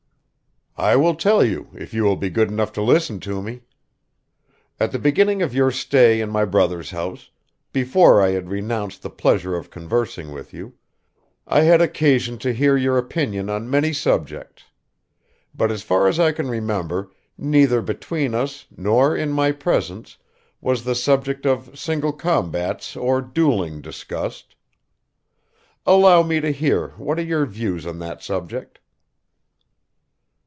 "I will tell you if you will be good enough to listen to me. At the beginning of your stay in my brother's house, before I had renounced the pleasure of conversing with you, I had occasion to hear your opinion on many subjects; but as far as I can remember, neither between us, nor in my presence, was the subject of singlecombats or dueling discussed. Allow me to hear what are your views on that subject?"